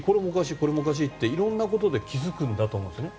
これもおかしいっていろいろなことで気づくと思うんですね。